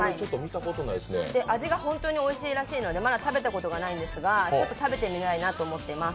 味が本当においしいらしいので、まだ食べたことがないんですが、ちょっと食べてみたいなと思っています。